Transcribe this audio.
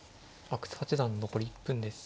阿久津八段残り１分です。